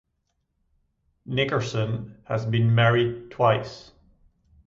Nickerson has been married twice.